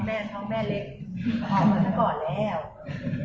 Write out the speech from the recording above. หรือเป็นอะไรที่คุณต้องการให้ดู